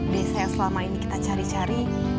desa yang selama ini kita cari cari